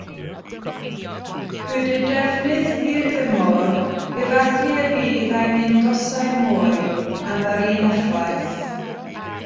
Gyda defnydd hirdymor efallai y bydd angen dosau mwy am yr un effaith.